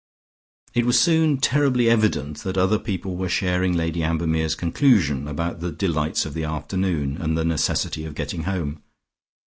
It was soon terribly evident that other people were sharing Lady Ambermere's conclusion about the delights of the afternoon, and the necessity of getting home.